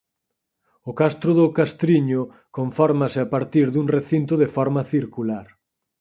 O castro do Castriño confórmase a partir dun recinto de forma circular.